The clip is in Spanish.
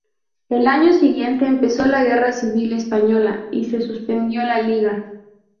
El año siguiente empezó la Guerra Civil Española y se suspendió la liga.